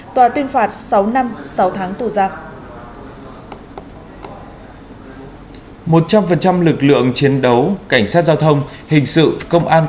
tòa tuyên phạt sáu năm sáu tháng tù giam